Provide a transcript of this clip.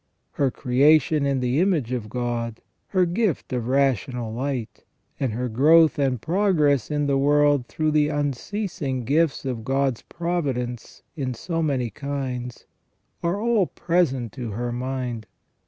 Her creation in the image of God, her gift of rational light, and her growth and progress in the world through the unceasing gifts of God's providence in so many kinds, are all present to her mind.